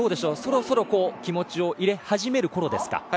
そろそろ気持ちを入れ始めるころですか。